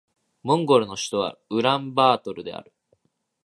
モンゴルの首都はウランバートルである